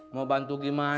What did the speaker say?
mau bantu gimana